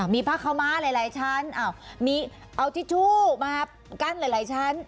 มีพักเข้ามาหลายชั้นมีเอาติทูมากั้นหลายชั้น